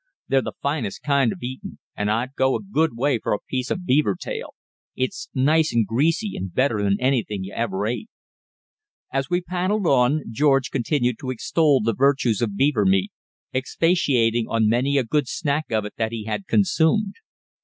"They're the finest kind of eatin', and I'd go a good way for a piece of beaver tail; it's nice and greasy, and better than anything you ever ate." As we paddled on, George continued to extol the virtues of beaver meat, expatiating on many a "good snack" of it that he had consumed.